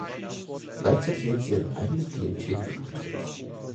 Gleichzeitig erhielt sie ihre eigene Klientel für Porträts.